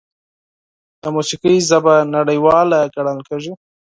د موسیقۍ ژبه نړیواله ګڼل کېږي.